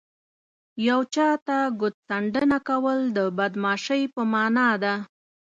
یو چاته ګوت څنډنه کول د بدماشۍ په مانا ده